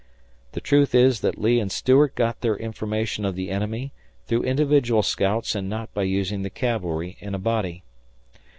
The truth is that Lee and Stuart got their information of the enemy through individual scouts and not by using the cavalry in a body.